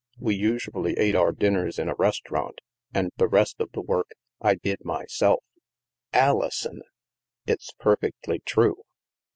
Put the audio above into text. We usually ate our dinners in a restaurant. And the rest of the work I did myself/' " AHson !"" It's perfectly true."